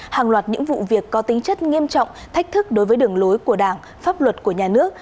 hàng loạt những vụ việc có tính chất nghiêm trọng thách thức đối với đường lối của đảng pháp luật của nhà nước